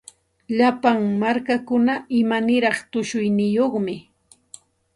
Llapa markakuna imaniraq tushuyniyuqmi.